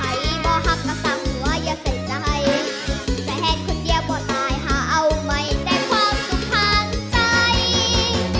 ให้บ่หักกระสั่งหัวอย่าเสร็จใจแต่แห้นคนเดียวบ่ตายหาเอาไม่ได้ความสุขทางใจ